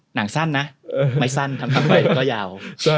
หนังสั้นไม้สั้นทำไปนังยาว